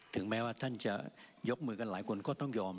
ถึงแม้ว่าท่านจะยกมือกันหลายคนก็ต้องยอม